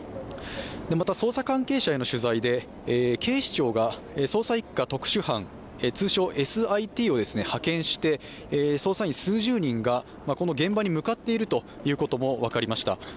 また捜査関係者への取材で警視庁が捜査一課特殊班通称・ＳＩＴを派遣して、捜査員数十人がこの現場に向かっているということも分かりました。